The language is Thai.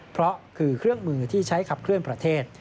เพราะคือเครื่องมือที่ใช้ขับเคลื่อนประเทศ